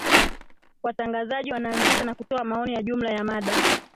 watangazaji wanaanzisha na kutoa maoni ya jumla ya mada